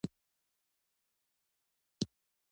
برخې د قدر وړ دي.